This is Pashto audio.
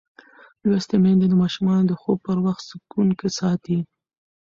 لوستې میندې د ماشومانو د خوب پر وخت سکون ساتي.